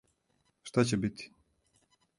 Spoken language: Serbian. Шта ће бити?